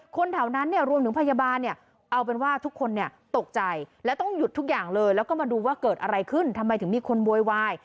แถวนั้นเนี่ยรวมถึงพยาบาลเนี่ยเอาเป็นว่าทุกคนเนี่ยตกใจและต้องหยุดทุกอย่างเลยแล้วก็มาดูว่าเกิดอะไรขึ้นทำไมถึงมีคนโวยวาย